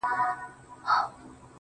مثبت فکر پراخه کړه